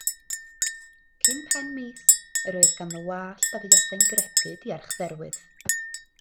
Cyn pen y mis, yr oedd ganddo wallt a fuasai'n gredyd i Archdderwydd.